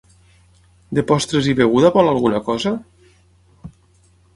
De postres i beguda vol alguna cosa?